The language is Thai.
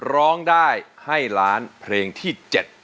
ร้องได้ให้ล้านเพลงที่๗